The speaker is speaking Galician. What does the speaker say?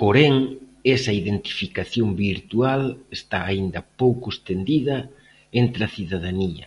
Porén, esa identificación virtual está aínda pouco estendida entre a cidadanía.